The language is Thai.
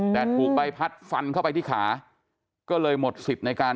แต่ถูกใบพัดฟันเข้าไปที่ขา